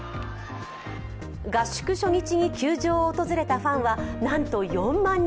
合宿初日に球場を訪れたファンは、なんと４万人。